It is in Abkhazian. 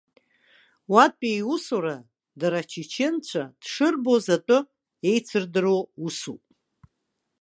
Уатәи иусура, дара ачеченцәа дшырбоз атәы еицырдыруа усуп.